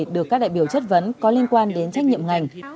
được các đại biểu chất vấn có liên quan đến trách nhiệm ngành